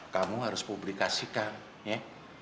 kamu harus publikasikan ya